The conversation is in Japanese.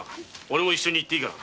おれも一緒に行っていいかな？